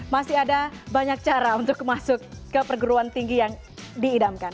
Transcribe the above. masih ada banyak cara untuk masuk ke perguruan tinggi yang diidamkan